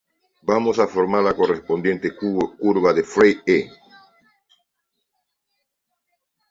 Vamos a formar la correspondiente curva de Frey "E".